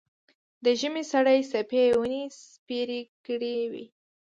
د ژمي سړې څپې یې ونې سپېرې کړې وې.